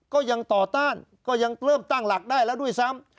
ก็ยังต่อต้านก็ยังเริ่มตั้งหลักได้แล้วด้วยซ้ำ